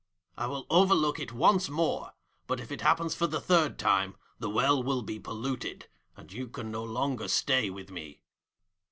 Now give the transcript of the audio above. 'I will overlook it once more, but if it happens for the third time, the well will be polluted, and you can no longer stay with me.'